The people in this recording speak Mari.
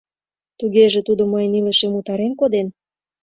— Тугеже, тудо мыйын илышем утарен коден?